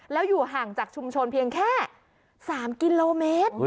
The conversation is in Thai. แล้วอยู่ห่างจากชุมชนเพียงแค่๓กิโลเมตร